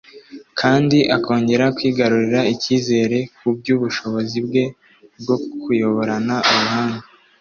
kandi akongera kwigarurira icyizere ku by'ubushobozi bwe bwo kuyoborana ubuhanga